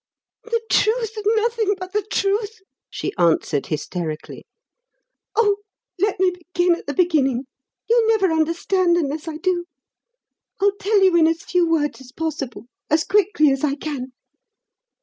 "The truth, nothing but the truth!" she answered hysterically. "Oh, let me begin at the beginning you'll never understand unless I do. I'll tell you in as few words as possible as quickly as I can.